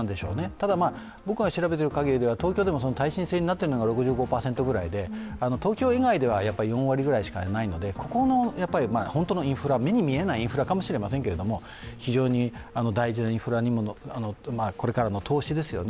ただ、僕が調べているかぎりでは東京でも耐震性になっているのが６３％ぐらいで東京以外では４割ぐらいしかないので、目に見えないインフラかもしれないですけど、大事なインフラ、これからの投資ですよね。